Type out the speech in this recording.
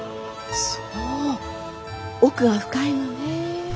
そう奥が深いのねぇ。